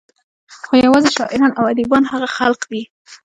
خو يوازې شاعران او اديبان هغه خلق دي